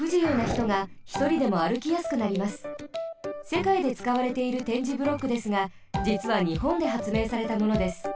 せかいでつかわれている点字ブロックですがじつはにほんではつめいされたものです。